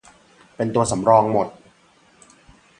เป็นตัวสำรองหมด